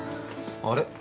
あれ？